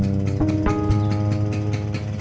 mau pergi lagi